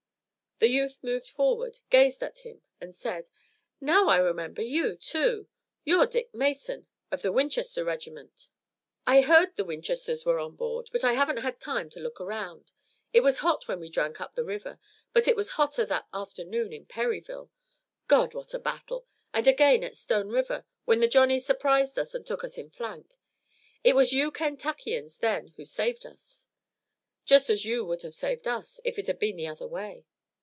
The youth moved forward, gazed at him and said: "Now I remember you, too. You're Dick Mason of the Winchester regiment. I heard the Winchesters were on board, but I haven't had time to look around. It was hot when we drank up the river, but it was hotter that afternoon at Perryville. God! what a battle! And again at Stone River, when the Johnnies surprised us and took us in flank. It was you Kentuckians then who saved us." "Just as you would have saved us, if it had been the other way."